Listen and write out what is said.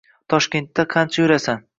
Toshkentda qancha yurasan